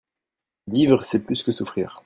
Vivre c'est plus que souffrir.